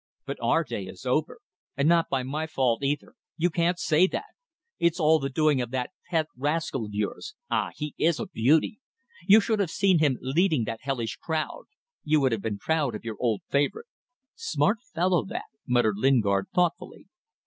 But our day is over. And not by my fault either. You can't say that. It's all the doing of that pet rascal of yours. Ah! He is a beauty! You should have seen him leading that hellish crowd. You would have been proud of your old favourite." "Smart fellow that," muttered Lingard, thoughtfully.